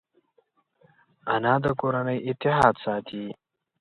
انا د کورنۍ اتحاد ساتي